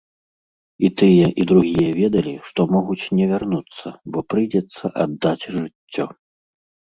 І тыя, і другія ведалі, што могуць не вярнуцца, бо прыйдзецца аддаць жыццё.